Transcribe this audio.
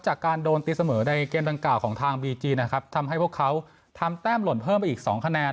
จากการโดนตีเสมอในเกมดังกล่าวของทางบีจีนะครับทำให้พวกเขาทำแต้มหล่นเพิ่มไปอีก๒คะแนน